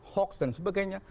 hoaks dan sebagainya